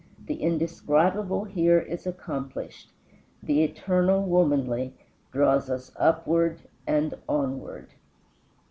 The indescribable Here is accomplished; The eternal womanly Draws us upward and onward."